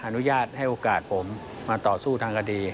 อนุญาตให้โอกาสผมมาต่อสู้ทางคดี